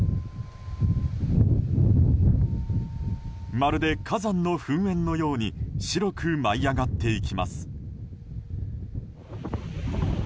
まるで、火山の噴煙のように白く舞い上がっていきます。